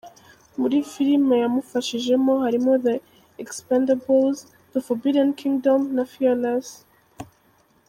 Muri filime yamufashijemo harimo The Expendables, The Forbidden Kingdom na Fearless.